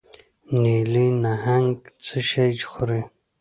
نیلي نهنګ څه شی خوري؟